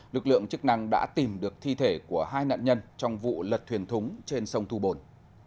lực lượng chức năng đã tìm được thi thể của hai nạn nhân trong vụ lật thuyền thúng trên sông thu bồn